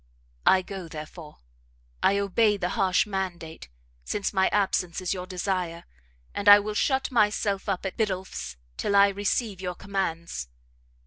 I go, therefore, I obey the harsh mandate, since my absence is your desire, and I will shut myself up at Biddulph's till I receive your commands.